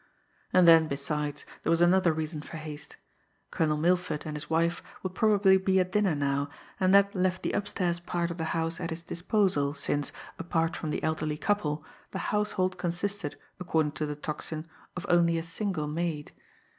And then, besides, there was another reason for haste Colonel Milford and his wife would probably be at dinner now, and that left the upstairs part of the house at his disposal, since, apart from the elderly couple, the household consisted, according to the Tocsin, of only a single maid.